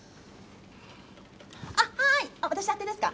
あっ、はい、私宛てですか？